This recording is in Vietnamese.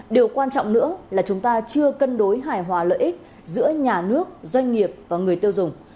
điều quan trọng nữa là chúng ta chưa cân đối hài hòa lợi ích giữa nhà nước doanh nghiệp và người tiêu dùng